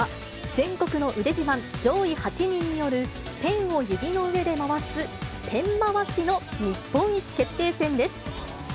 全国の腕自慢上位８人によるペンを指の上で回すペン回しの日本一決定戦です。